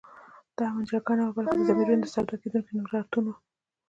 د آمن جرګه نه وه بلکي د ضمیرونو د سودا کېدو نندارتون وو